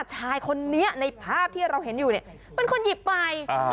ชายคนนี้ในภาพที่เราเห็นอยู่เนี่ยเป็นคนหยิบไป